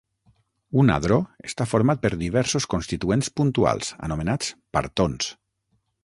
Un hadró està format per diversos constituents puntuals, anomenats "partons".